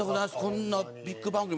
こんなビッグ番組ね。